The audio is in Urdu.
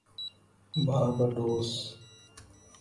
بارباڈوس